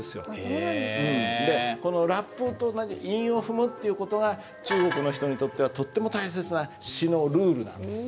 うんでこのラップと同じ韻を踏むっていう事が中国の人にとってはとっても大切な詩のルールなんです。